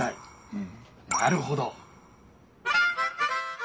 うんなるほど！